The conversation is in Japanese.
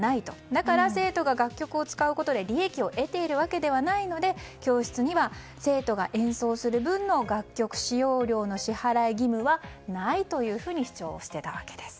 だから生徒が楽曲を使うことで利益を得ているわけではないので教室には生徒が演奏する分の楽曲使用料の支払い義務はないというふうに主張していたわけです。